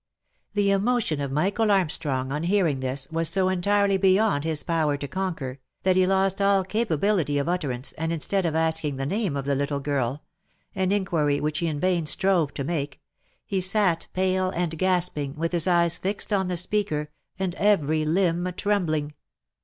The emotion of Michael Armstrong on hearing this, was so entirely beyond his power to conquer, that he lost all capability of utterance, and instead of asking the name of the little girl — an inquiry which he in vain strove to make — he sat pale and gasping, with his eyes fixed on the speaker, and every limb trembling.